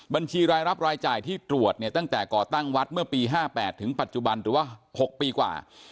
บัญชีรายรับรายจ่ายที่ตรวจเนี่ยตั้งแต่ก่อตั้งวัดเมื่อปี๕๘ถึงปัจจุบันหรือว่า๖ปีกว่า